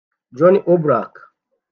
Jan Oblak